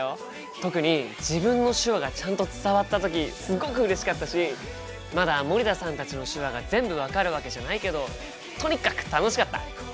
特に自分の手話がちゃんと伝わった時すごくうれしかったしまだ森田さんたちの手話が全部分かるわけじゃないけどとにかく楽しかった！